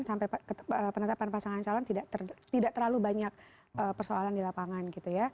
sampai penetapan pasangan calon tidak terlalu banyak persoalan di lapangan gitu ya